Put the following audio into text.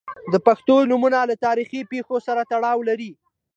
• د پښتو نومونه له تاریخي پیښو سره تړاو لري.